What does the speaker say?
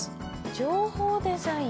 「情報デザイン」？